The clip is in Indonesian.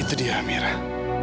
itu dia amirah